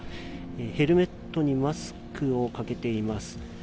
ヘルメットにマスクをかけています。